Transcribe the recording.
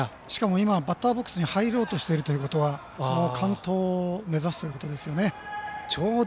今はバッターボックスに入ろうとしているということは完投を目指すということですね。